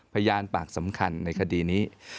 พยานปากสำคัญในคดีนี้